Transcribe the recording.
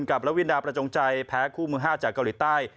ระวินดาประจงใจแพ้คู่มือ๕จากเกาหลีใต้